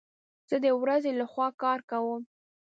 زه د ورځي لخوا کار کوم